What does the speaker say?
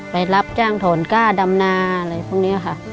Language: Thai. รับจ้างถอนก้าดำนาอะไรพวกนี้ค่ะ